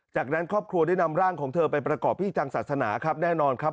จากนั้นครอบครัวได้นำร่างของเธอไปประกอบพิธีทางศาสนาครับแน่นอนครับ